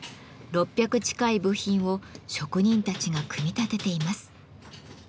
６００近い部品を職人たちが組み立てています。